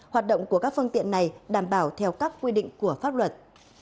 hoạt động của các phương tiện này đảm bảo theo các quy định của pháp luật